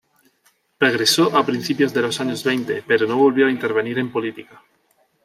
Regresó a principios de los años veinte pero no volvió a intervenir en política.